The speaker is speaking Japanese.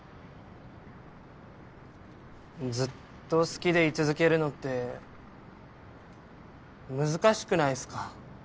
ずっと好きで居続けるのって難しくないっすか？